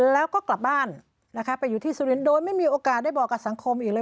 แล้วก็กลับบ้านนะคะไปอยู่ที่สุรินทร์โดยไม่มีโอกาสได้บอกกับสังคมอีกเลย